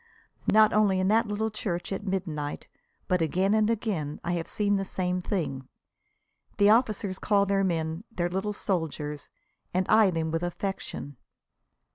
Not only in that little church at midnight, but again and again I have seen the same thing. The officers call their men their "little soldiers," and eye them with affection.